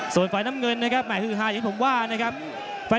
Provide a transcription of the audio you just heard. ส่วนฝ่ายน้ำเงินนะครับแห่ฮือฮาอย่างที่ผมว่านะครับ